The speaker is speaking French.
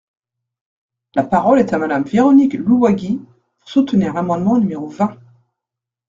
La parole est à Madame Véronique Louwagie, pour soutenir l’amendement numéro vingt.